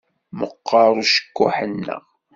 Meqqeṛ ucekkuḥ-nneɣ.